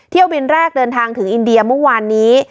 เที่ยวบินแรกเดินทางถึงอินเดียเมื่อวานนี้